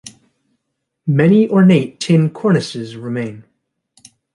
Many ornate tin cornices remain.